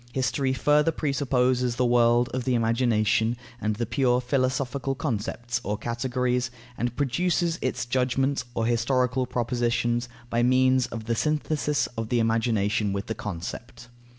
History further presupposes the world of the imagination and the pure philosophical concepts or categories, and produces its judgments or historical propositions, by means of the synthesis of the imagination with the concept.